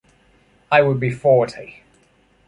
I will be forty.